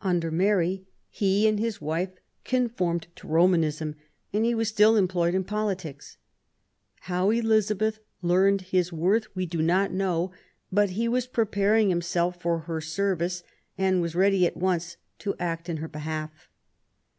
Under Mary he and his wife conformed to Romanism, and he was still employed in politics. How Elizabeth learned his worth we do not know ; but he was preparing himself for her service and was 46 QUEEN ELIZABETH, ready at once to act in her behalf.